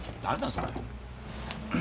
それ。